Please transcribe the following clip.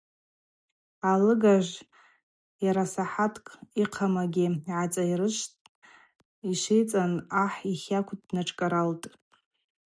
Алыгажв йарасахӏаткӏ йхъамгьи гӏацайрышвттӏ, йшвицӏан ахӏ йхакв днатшкӏаралтӏ.